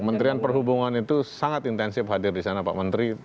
kementerian perhubungan itu sangat intensif hadir di sana pak menteri